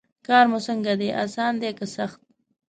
کار مو څنګه دی اسان دی که سخت.